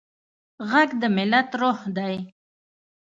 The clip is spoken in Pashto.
غږ د ملت روح دی